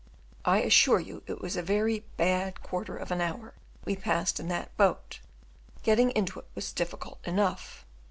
I assure you it was a very "bad quarter of an hour" we passed in that boat; getting into it was difficult enough.